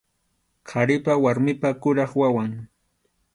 Qharipa warmipa kuraq wawan.